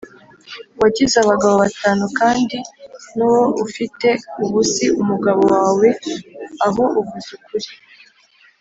Wagize abagabo batanu kandi n uwo ufite ubu si umugabo wawe aho uvuze ukuri